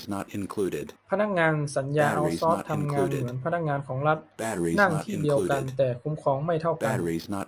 พนักงานสัญญาเอาต์ซอร์สทำงานเหมือนพนักงานของรัฐ นั่งที่เดียวกัน แต่การคุ้มครองไม่เท่ากัน